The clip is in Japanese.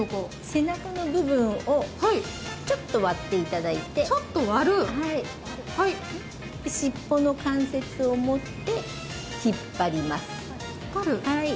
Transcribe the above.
背中の部分をちょっと割っていただいて尻尾の関節を持って引っ張ります。